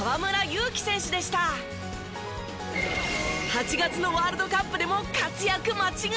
８月のワールドカップでも活躍間違いなし！